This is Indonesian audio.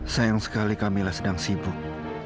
sayang sekali kamilah sedang sibuk